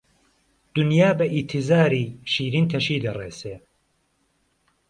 دونیا بە ئیتیزاری، شیرین تەشی دەڕێسێ